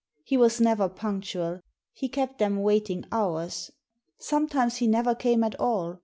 He was never punctual. He kept them waiting hours. Sometimes he never came at all.